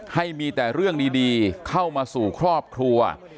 ให้มีแต่เรื่องดีเข้ามาสู่ครอบครัว